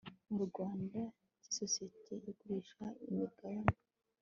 mu Rwanda cy isosiyete igurisha imigabane